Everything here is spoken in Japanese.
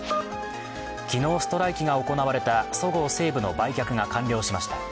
昨日、ストライキが行われたそごう・西武の売却が完了しました。